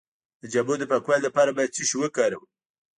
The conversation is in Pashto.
د جامو د پاکوالي لپاره باید څه شی وکاروم؟